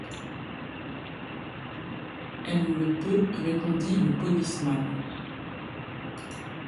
Elle le peut, » répondit le policeman.